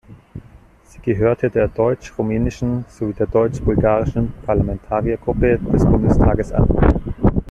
Sie gehörte der deutsch-rumänischen sowie der deutsch-bulgarischen Parlamentariergruppe des Bundestages an.